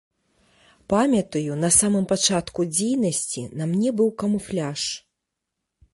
Памятаю, на самым пачатку дзейнасці на мне быў камуфляж.